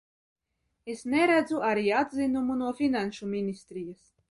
Es neredzu arī atzinumu no Finanšu ministrijas.